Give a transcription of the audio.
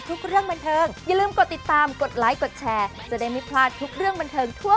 พรุ่งนี้ทุกคนรวยแน่นอนค่ะ